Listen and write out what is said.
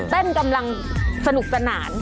เพ่นกำลังสนุกสนาน